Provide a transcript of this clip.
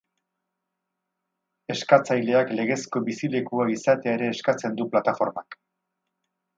Eskatzaileak legezko bizilekua izatea ere eskatzen du plataformak.